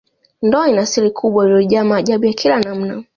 Ndoa ina siri kubwa iliyojaa maajabu ya kila namna